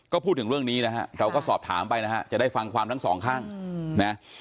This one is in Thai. ก็พูดถึงเรื่องนี้นะฮะเราก็สอบถามไปนะฮะจะได้ฟังความทั้งสองข้างนะ